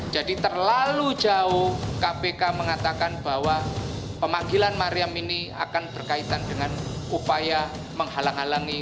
jadi terlalu jauh kpk mengatakan bahwa pemanggilan mariam ini akan berkaitan dengan upaya menghalang halangi